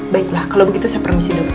baiklah kalau begitu saya permisi dokter